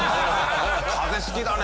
風好きだね